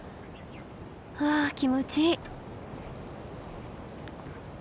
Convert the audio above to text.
はあ気持ちいい。